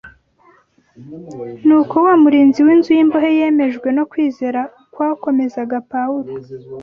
Nuko wa murinzi w’inzu y’imbohe yemejwe no kwizera kwakomezaga Pawulo